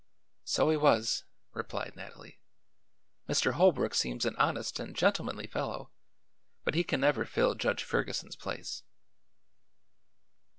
"So he was," replied Nathalie. "Mr. Holbrook seems an honest and gentlemanly fellow, but he never can fill Judge Ferguson's place."